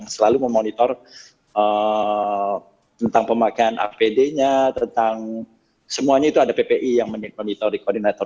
selalu memonitor tentang pemakaian apd nya tentang semuanya itu ada ppi yang menitori koordinator